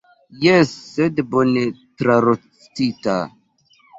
Jes, sed bone trarostita.